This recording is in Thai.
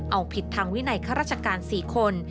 เอาผิดทางวินัยข้าราชการ๔คน